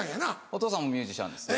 お父さんもミュージシャンです。